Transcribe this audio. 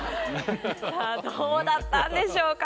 さあどうだったんでしょうか？